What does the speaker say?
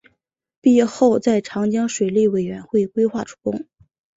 毕业后在长江水利委员会规划处工。